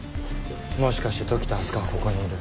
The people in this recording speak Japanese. もしかして時田明日香はここにいる。